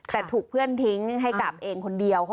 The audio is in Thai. แต่ถูกเพื่อนทิ้งให้กลับเองคนเดียว